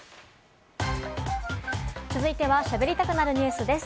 続いてはしゃべりたくなるニュスです。